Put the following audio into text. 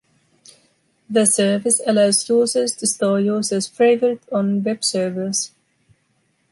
The service allows users to store user’s favorite on web servers.